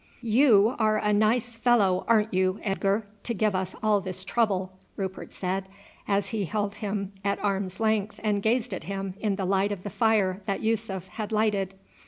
"You are a nice fellow, ain't you, Edgar, to give us all this trouble," Rupert said, as he held him at arm's length and gazed at him in the light of the fire that Yussuf had lighted.